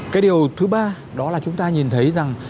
cái điều thứ ba đó là chúng ta nhìn thấy rằng